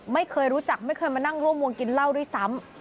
ไม่เคยรู้จักไม่เคยมานั่งร่วมวงกินเหล้าด้วยซ้ำ